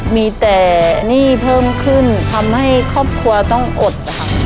มีแต่หนี้เพิ่มขึ้นทำให้ครอบครัวต้องอด